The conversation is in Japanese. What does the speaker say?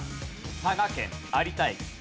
佐賀県有田駅。